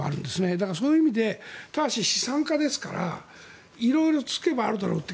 だからそういう意味でただし、資産家ですから色々、付けもあるだろうと。